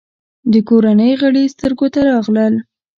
د کورنۍ غړي سترګو ته راغلل.